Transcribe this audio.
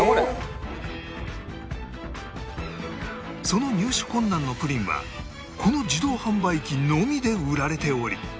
その入手困難のプリンはこの自動販売機のみで売られており